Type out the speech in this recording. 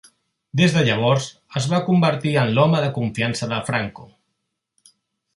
Des de llavors es va convertir en l'home de confiança de Franco.